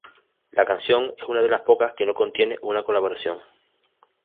La canción es una de las pocas que no contiene una colaboración.